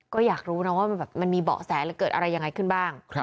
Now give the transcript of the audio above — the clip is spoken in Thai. ก็อยากรู้นะว่ามันมีเบาะแสหรือเกิดอะไรยังไงขึ้นบ้าง